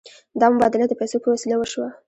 دا مبادله د پیسو په وسیله وشوه.